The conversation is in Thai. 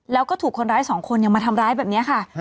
แล้วก็ถูกคนร้ายสองคนยังมาทำร้ายแบบนี้ค่ะ